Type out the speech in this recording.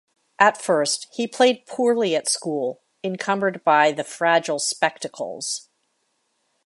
At first, he played poorly at school, encumbered by the fragile spectacles.